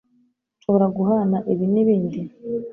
Nshobora guhana ibi nibindi?